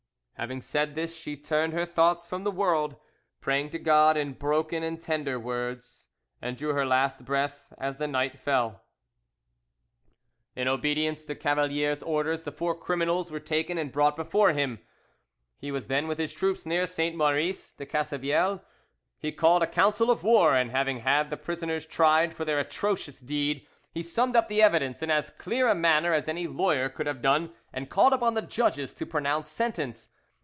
Having said this, she turned her thoughts from the world, praying to God in broken and tender words, and drew her last breath as the night fell." In obedience to Cavalier's orders, the four criminals were taken and brought before him. He was then with his troops near Saint Maurice de Casevielle; he called a council of war, and having had the prisoners tried for their atrocious deed, he summed up the evidence in as clear a manner as any lawyer could have done, and called upon the judges to pronounce sentence.